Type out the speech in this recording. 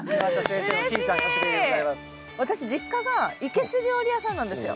私実家が生けす料理屋さんなんですよ。